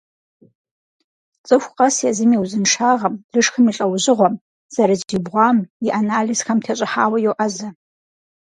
ЦӀыху къэс езым и узыншагъэм, лышхым и лӀэужьыгъуэм, зэрызиубгъуам, и анализхэм тещӀыхьауэ йоӀэзэ.